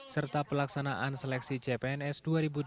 serta pelaksanaan seleksi cpns dua ribu delapan belas